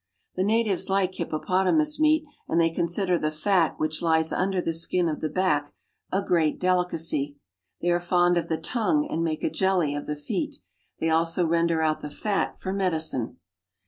The natives like hippopotamus meat, and they consider the fat which lies under the skin of the back a great w THE STRANliE ANIMALS OF AFRICA IS7 i delicacy. They are fond of the tongue, and make a jelly | of the feet. They also render out the fat for medicine.